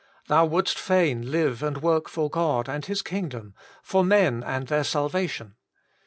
Thou wouldst fain live and work for God and His kingdom, for men and their salvation.